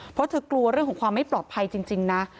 เพราะเธอกลัวเรื่องของความไม่ปลอดภัยจริงนะ